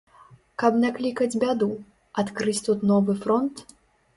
Каб наклікаць бяду, адкрыць тут новы фронт?